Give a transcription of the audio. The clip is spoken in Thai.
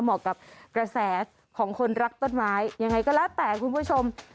เหมาะกับกระแสของคนรักต้นไม้ยังไงก็แล้วแต่คุณผู้ชม